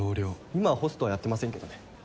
今はホストはやってませんけどね